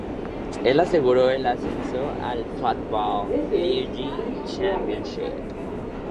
Él aseguró el ascenso a la Football League Championship.